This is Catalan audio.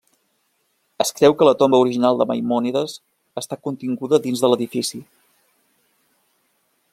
Es creu que la tomba original de Maimònides està continguda dins de l'edifici.